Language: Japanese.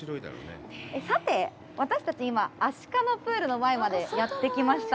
さて、私たち、今、アシカのプールの前までやってきました。